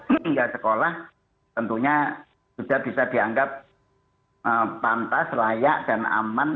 sehingga sekolah tentunya sudah bisa dianggap pantas layak dan aman